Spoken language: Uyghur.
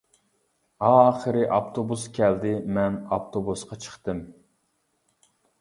ئاخىرى ئاپتوبۇس كەلدى، مەن ئاپتوبۇسقا چىقتىم.